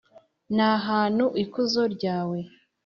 N ahantu ikuzo ryawe